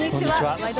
「ワイド！